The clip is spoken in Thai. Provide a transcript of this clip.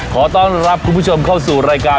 ขอต้อนรับคุณผู้ชมเข้าสู่รายการ